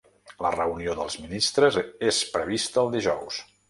La reunió dels ministres és prevista el dijous.